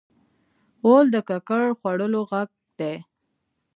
غول د ککړ خوړو غږ دی.